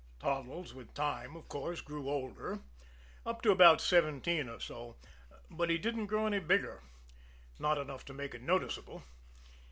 Toddles, with time, of course, grew older, up to about seventeen or so, but he didn't grow any bigger not enough to make it noticeable!